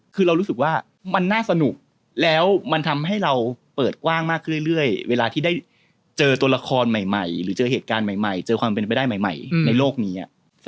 คือเรารู้สึกว่ามันน่าสนุกแล้วมันทำให้เราเปิดกว้างมากขึ้นเรื่อยเวลาที่ได้เจอตัวละครใหม่หรือเจอเหตุการณ์ใหม่เจอความเป็นไปได้ใหม่ในโลกนี้